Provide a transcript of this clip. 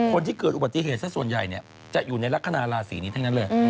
คนที่เกิดอุบัติเหตุสักส่วนใหญ่จะอยู่ในลักษณะราศีนี้ทั้งนั้นเลย